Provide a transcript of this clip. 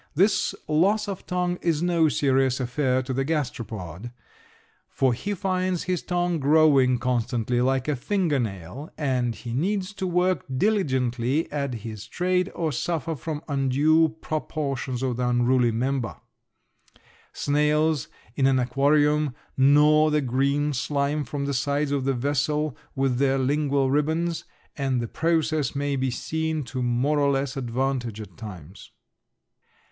This loss of tongue is no serious affair to the gasteropod, for he finds his tongue growing constantly like a finger nail and he needs to work diligently at his trade or suffer from undue proportions of the unruly member. Snails in an aquarium gnaw the green slime from the sides of the vessel with their lingual ribbons, and the process may be seen to more or less advantage at times.